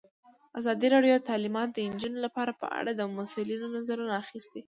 ازادي راډیو د تعلیمات د نجونو لپاره په اړه د مسؤلینو نظرونه اخیستي.